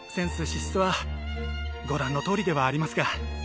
資質はご覧のとおりではありますが。